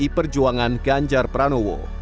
pdi perjuangan ganjar pranowo